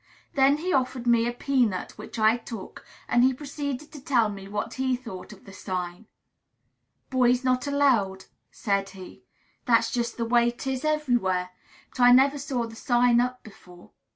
Then he offered me a peanut, which I took; and he proceeded to tell me what he thought of the sign. "Boys not allowed!" said he. "That's just the way 'tis everywhere; but I never saw the sign up before.